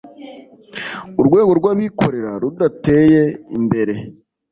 urwego rw’abikorera rudateye imbere